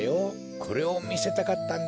これをみせたかったんだ。